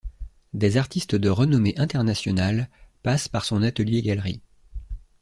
Des artistes de renommée internationale passent par son atelier-galerie.